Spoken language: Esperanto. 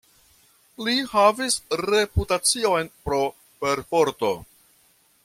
Li havis reputacion pro perforto.